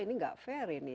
wah ini tidak fair ini